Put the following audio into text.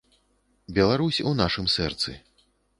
Беларусь у нашым сэрцы.